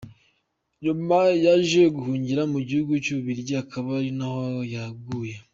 Nyuma yaje guhungura mu gihugu cy’u Bubiligi akaba ari naho yaguye.